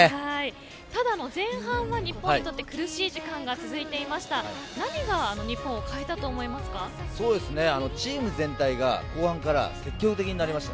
ただ前半は日本にとって苦しい時間が続いていましたチーム全体が後半から積極的になりました。